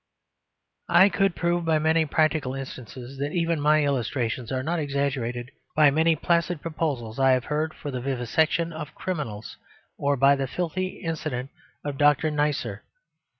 I could prove by many practical instances that even my illustrations are not exaggerated, by many placid proposals I have heard for the vivisection of criminals, or by the filthy incident of Dr. Neisser.